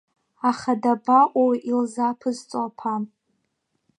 Аха дабаҟоу илзаԥызҵо аԥа!